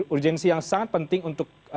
urgensi yang sangat penting untuk